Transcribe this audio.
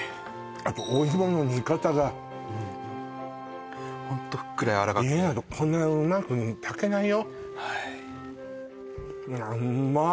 あとお芋の煮方がホントふっくらやわらかくてえこんなうまく炊けないよはいいやうまっ！